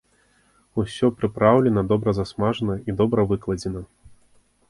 Усё прыпраўлена, добра засмажана і прыгожа выкладзена.